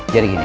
jadi gini pak